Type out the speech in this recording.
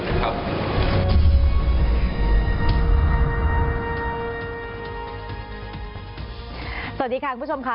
ซึ่งไม่เหมือนกับ